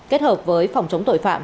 kết hợp với phòng chống tội phạm